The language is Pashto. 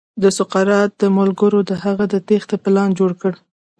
د سقراط ملګرو د هغه د تېښې پلان جوړ کړ.